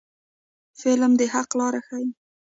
فلم د حق لاره ښيي